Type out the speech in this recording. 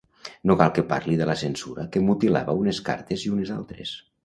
No cal que parli de la censura que mutilava unes cartes i unes altres.